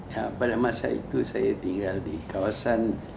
dan pada masa itu saya tinggal di kawasan